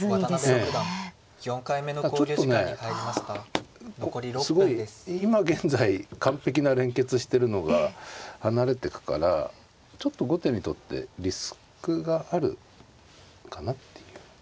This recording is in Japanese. ちょっとね今現在完璧な連結してるのが離れてくからちょっと後手にとってリスクがあるかなっていう。